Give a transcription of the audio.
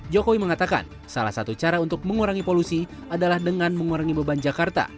jokowi mengatakan salah satu cara untuk mengurangi polusi adalah dengan mengurangi beban jakarta